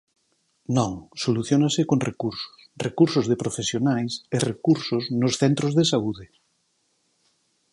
Non; soluciónanse con recursos: recursos de profesionais e recursos nos centros de saúde.